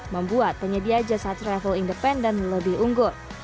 membuat penyedia jasa travel independen lebih unggul